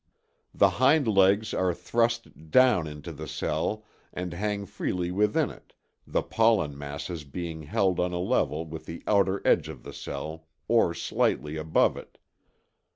The hind legs are thrust down into the cell and hang freely within it, the pollen masses being held on a level with the outer edge of the cell, or slightly above it.